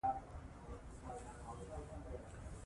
هنر د انسان د ژوند په ښکلا، فکر او خلاقیت کې مهم رول لري.